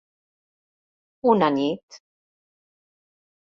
Una nit...